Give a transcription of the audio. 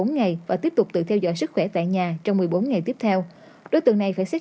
bốn ngày và tiếp tục tự theo dõi sức khỏe tại nhà trong một mươi bốn ngày tiếp theo đối tượng này phải xét